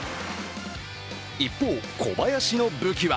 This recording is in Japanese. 一方、小林の武器は